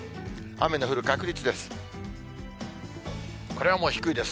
雨の降る確率です。